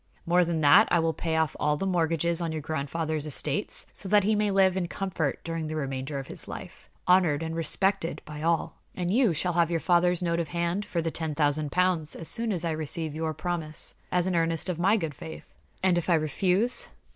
More than that, I will pay off all the mortgages on your grandfather's estates, so that he may live in comfort during the remainder of his life, honored and respected by all. And you shall have your father's note of hand for the ten thousand pounds as soon as I receive your promise, as an earnest of my good faith." "And if I refuse?"